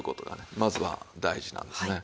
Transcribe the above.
まずは大事なんですね。